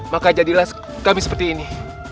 maka jadilah kami seperti ini